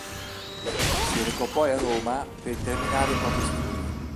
Si recò poi a Roma per terminare i propri studi.